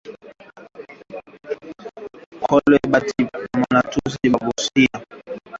Kolwezi batu banalamuka busubuyi sana kwenda mukaji